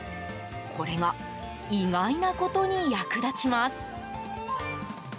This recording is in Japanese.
これが意外なことに役立ちます。